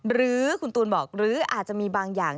หรืออาจจะมีบางอย่าง